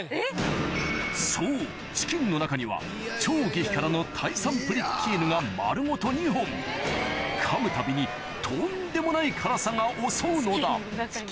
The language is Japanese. そうチキンの中には超激辛のタイ産プリッキーヌが丸ごと２本かむたびにとんでもない辛さが襲うのだ